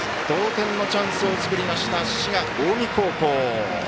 同点のチャンスを作りました滋賀、近江高校。